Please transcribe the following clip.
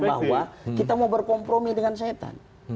bahwa kita mau berkompromi dengan setan